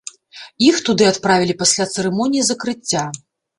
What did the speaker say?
Іх туды адправілі пасля цырымоніі закрыцця.